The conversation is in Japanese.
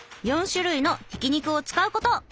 ４種類のひき肉を使うこと！